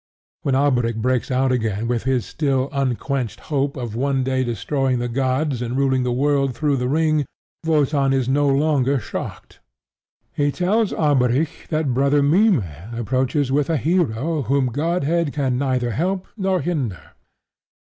When Alberic breaks out again with his still unquenched hope of one day destroying the gods and ruling the world through the ring, Wotan is no longer shocked. He tells Alberic that Brother Mime approaches with a hero whom Godhead can neither help nor hinder.